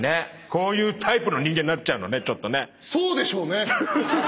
こういうタイプの人間になっちゃうのねちょっとね。